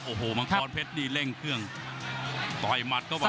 โอ้โหมังกรเพชรนี่เร่งเครื่องต่อยหมัดเข้าไป